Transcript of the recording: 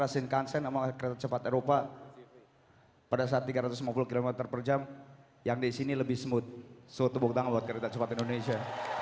tuhan yang terhampa yang terhampa